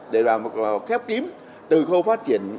để làm một khép tím từ khâu phát triển